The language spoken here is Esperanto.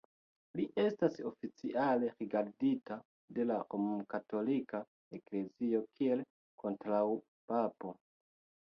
Li estas oficiale rigardita de la Romkatolika Eklezio kiel kontraŭpapo.